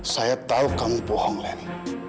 saya tahu kamu bohong lenny